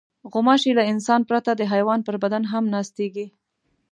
غوماشې له انسان پرته د حیوان پر بدن هم ناستېږي.